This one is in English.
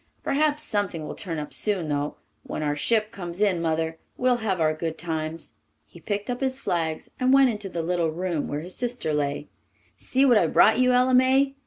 Perhaps something will turn up soon though. When our ship comes in, Mother, we'll have our good times." He picked up his flags and went into the little room where his sister lay. "See what I've brought you, Ella May!"